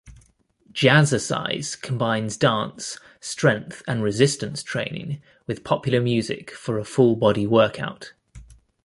Jazzercise combines dance, strength, and resistance training with popular music for a full-body workout.